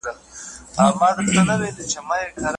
هغه څوک چي څېړنه نه کوي له پوهي سره مینه نلري.